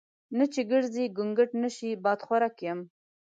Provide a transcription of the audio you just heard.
نه چې ګرزي ګونګټ نشي بادخورک یم.